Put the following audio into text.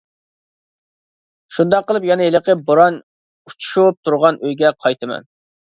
شۇنداق قىلىپ يەنە ھېلىقى بوران ئۇچۇشۇپ تۇرغان ئۆيگە قايتىمەن.